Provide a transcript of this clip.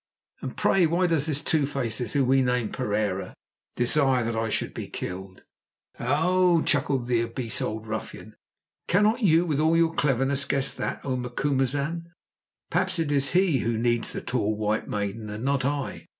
"And pray why does this Two faces, whom we name Pereira, desire that I should be killed?" "Ow!" chuckled the obese old ruffian; "cannot you with all your cleverness guess that, O Macumazahn? Perhaps it is he who needs the tall white maiden, and not I.